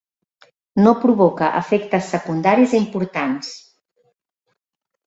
No provoca efectes secundaris importants.